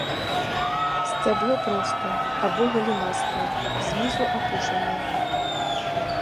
Сцябло простае або галінастае, знізу апушанае.